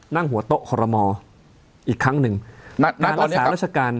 นั่งหัวโต๊ะขอรมออีกครั้งนึงการละสาหร์ราชการ